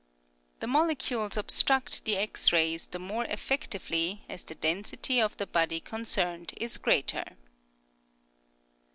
The molecules obstruct the X rays the more effectively as the density of the body concerned is greater.